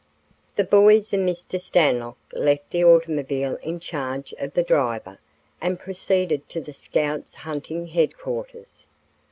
The boys and Mr. Stanlock left the automobile in charge of the driver and proceeded to the Scouts' hunting headquarters.